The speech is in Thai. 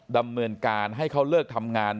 ดำเนินการให้เขาเลิกทำงาน